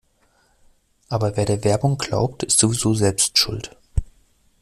Aber wer der Werbung glaubt, ist sowieso selbst schuld.